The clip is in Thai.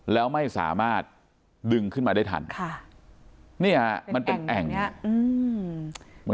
แล้วไม่สามารถดึงขึ้นมาได้ทันค่ะเนี่ยมันเป็นแอ่งเนี้ยอืม